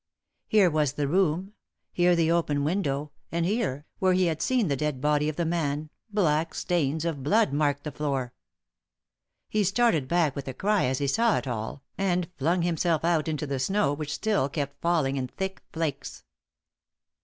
Here was the room, here the open window, and here, where he had seen the dead body of the man, black stains of blood marked the floor. He started back with a cry as he saw it all, and flung himself out into the snow which still kept falling in thick flakes.